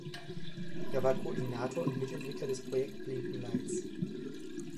Er war Koordinator und Mitentwickler des Projekts Blinkenlights.